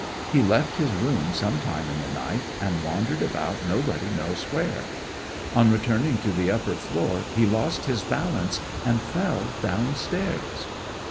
He left his room some time in the night, and wandered about nobody knows where. On returning to the upper floor he lost his balance and fell downstairs.'